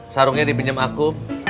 sarungnya dibinjam aku